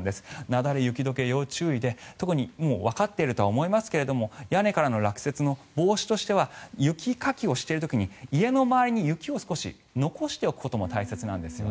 雪崩、雪解けに要注意でわかっているとは思いますが屋根からの落雪の防止としては雪かきをしている時に家の周りに雪を少し残しておくことも大切なんですね。